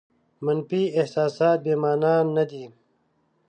منفي احساسات بې مانا نه دي.